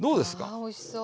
わあおいしそう。